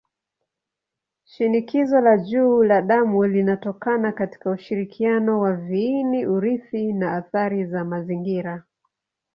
Shinikizo la juu la damu linatokana katika ushirikiano wa viini-urithi na athari za mazingira.